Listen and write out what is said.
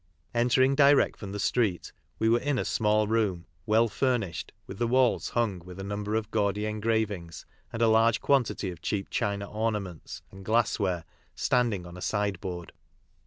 Entering direct from the street we were in a small room, well furnished, with the walls hung with a number of gaudy engravings, and a large quantity of cheap china ornaments and glass ware standing on a sideboard.